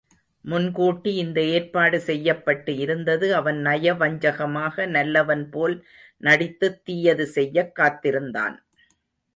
முன்கூட்டி இந்த ஏற்பாடு செய்யப்பட்டு இருந்தது அவன் நயவஞ்சகமாக நல்லவன்போல் நடித்துத் தீயது செய்யக் காத்திருந்தான்.